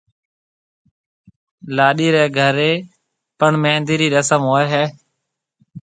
لاڏِي رَي گھرَي پڻ مھندِي رِي رسم ھوئيَ ھيََََ